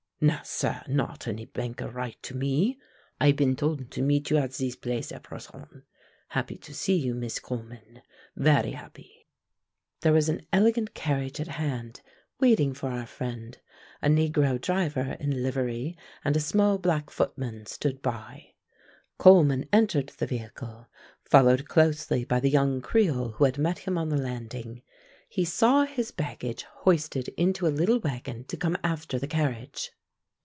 "Nah, sah, not any banker write to me; I been told to meet you at zis place at prayson. Happy to see you. Mist Coleman; varee happy." There was an elegant carriage at hand waiting for our friend. A negro driver in livery and a small black footman stood by. Coleman entered the vehicle, followed closely by the young creole who had met him on the landing. He saw his baggage hoisted into a little wagon to come after the carriage.